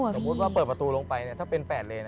สมมุติว่าเปิดประตูลงไปถ้าเป็น๘เลน